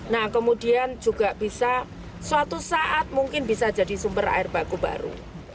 nah kemudian juga bisa suatu saat mungkin bisa jadi sumber air baku baru